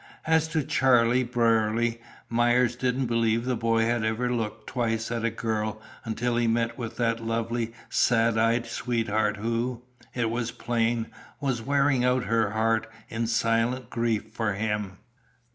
As to Charlie Brierly, Myers "didn't believe the boy had ever looked twice at a girl until he met with that lovely, sad eyed sweetheart who, it was plain, was wearing out her heart in silent grief for him."